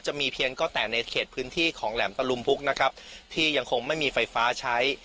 จะมีเพียงก็แต่ในเขตพื้นที่ของแหลมตะลุมพุกนะครับที่ยังคงไม่มีไฟฟ้าใช้